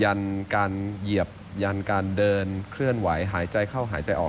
ยันการเหยียบยันการเดินเคลื่อนไหวหายใจเข้าหายใจออก